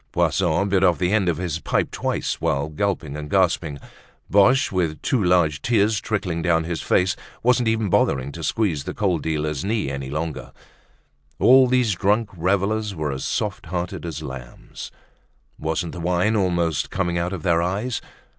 Poisson bit off the end of his pipe twice while gulping and gasping. Boche, with two large tears trickling down his face, wasn't even bothering to squeeze the coal dealer's knee any longer. All these drunk revelers were as soft hearted as lambs. Wasn't the wine almost coming out of their eyes?